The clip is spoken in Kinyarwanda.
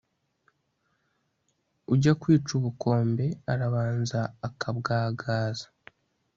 ujya kwica ubukombe arabanza akabwagaza